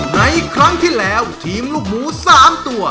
ในครั้งที่แล้วทีมลูกหมู๓ตัว